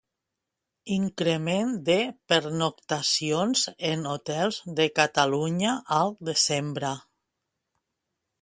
Increment de pernoctacions en hotels de Catalunya al desembre.